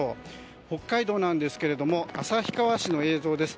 北海道ですけれども旭川市の映像です。